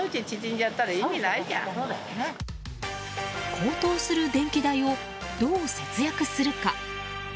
高騰する電気代をどう節約するか。